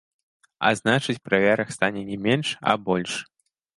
А значыць, праверак стане не менш, а больш.